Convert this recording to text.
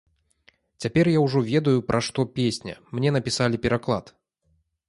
Цяпер я ўжо ведаю, пра што песня, мне напісалі пераклад.